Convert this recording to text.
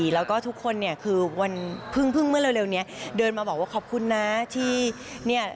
แล้วก็ทุกคนเนี่ยคือวันพึ่งเมื่อเร็วนี้เดินมาบอกว่าขอบคุณนะที่เนี่ย